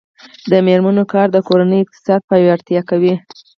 د میرمنو کار د کورنۍ اقتصاد پیاوړتیا کوي.